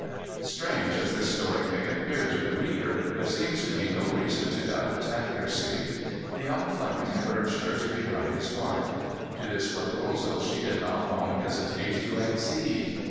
Strange as this story may appear to the reader there seems to be no reason to doubt its accuracy. The young Fleming urged her to become his wife. To this proposal she did not long hesitate to accede.